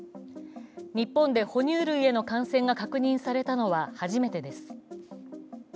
日本で哺乳類への感染が確認されたのは初めてです。